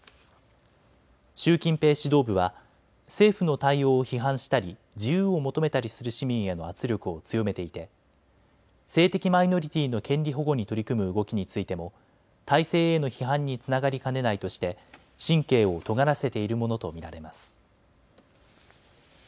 習近平指導部は政府の対応を批判したり自由を求めたりする市民への圧力を強めていて性的マイノリティーの権利保護に取り組む動きについても体制への批判につながりかねないとして神経をとがらせているものと見られます。